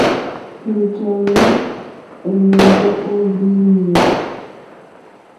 Ɛ̀njɔ́lɔ́ ɛ̀mɛ́ndɛ́ ó lìɲɛ̂.